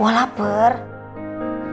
uya harus berhenti